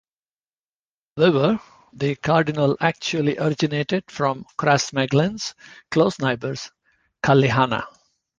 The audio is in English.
However the Cardinal actually originated from Crossmaglen's close neighbours, Cullyhanna.